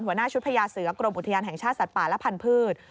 หัวหน้าชุดพญาเสือกรมอุทยานแห่งชาติสัตว์ป่าและพันธุ์